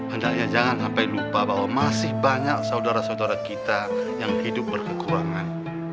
hendaknya jangan sampai lupa bahwa masih banyak saudara saudara kita yang hidup berkekurangan